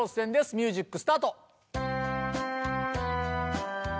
ミュージックスタート